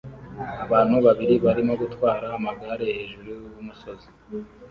Abantu babiri barimo gutwara amagare hejuru y'umusozi